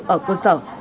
ở cơ sở